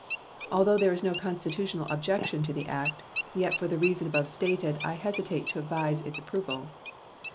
Although there is no constitutional objection to the act, yet for the reason above stated I hesitate to advise its approval.